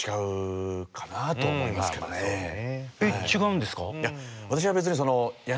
えっ違うんですか？